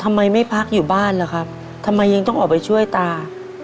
ทำไมไม่พักอยู่บ้านล่ะครับทำไมยังต้องออกไปช่วยตา